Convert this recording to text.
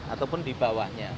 ataupun di bawahnya